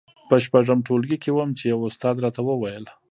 په شپږم ټولګي کې وم چې يوه استاد راته وويل.